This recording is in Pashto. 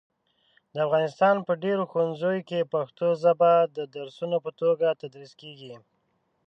د افغانستان په ډېری ښوونځیو کې پښتو ژبه د درسونو په توګه تدریس کېږي.